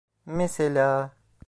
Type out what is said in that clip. Mesela...